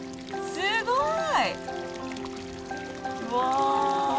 すごーい！